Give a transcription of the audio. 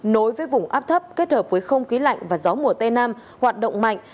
nối với vùng áp thấp kết hợp với không khí lạnh và gió mùa tây nam hoạt động mạnh